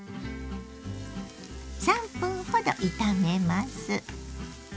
３分ほど炒めます。